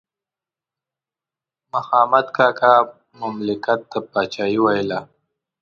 مخامد کاکا مملکت ته پاچاهي ویله.